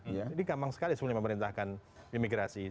jadi gampang sekali sebetulnya memerintahkan imigrasi